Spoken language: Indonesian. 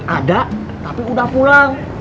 ada tapi udah pulang